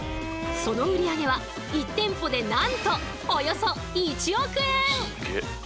その売り上げは１店舗でなんとおよそ１億円！